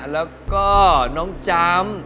แล้วก็น้องจำ